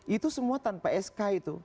itu semua tanpa sk itu